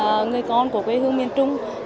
em là một người con của quê hương miền trung